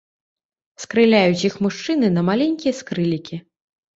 Скрыляюць іх мужчыны на маленькія скрылікі.